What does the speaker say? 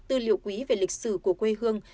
tư liệu quý về lịch sử của quê hương